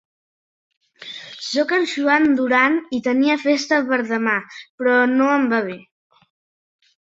Soc en Joan Duran i tenia festa per demà, però no em va bé.